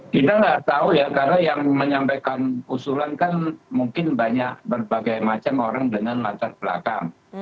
kita nggak tahu ya karena yang menyampaikan usulan kan mungkin banyak berbagai macam orang dengan latar belakang